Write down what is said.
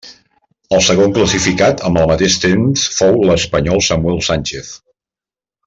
El segon classificat, amb el mateix temps, fou l'espanyol Samuel Sánchez.